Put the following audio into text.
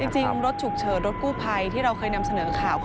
จริงรถฉุกเฉินรถกู้ภัยที่เราเคยนำเสนอข่าว